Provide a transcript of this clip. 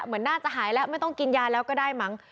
เหมือนน่าจะหายแล้วไม่ต้องกินยาแล้วก็ได้มั้ง